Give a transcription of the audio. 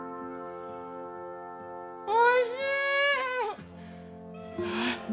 おいしい！